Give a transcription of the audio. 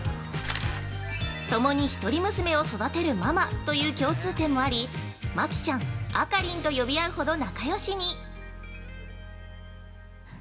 共に１人娘を育てるママという共通点もありマキちゃん、あかりんと呼び合うほど仲よしに。